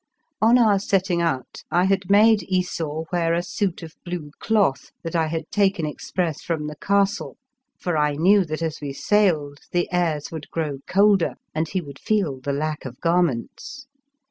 On our setting out I had made Esau wear a suit of blue cloth that I had taken express from the castle, for I knew that as we sailed the airs would grow colder and he would feel the lack of garments.